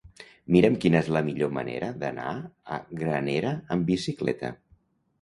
Mira'm quina és la millor manera d'anar a Granera amb bicicleta.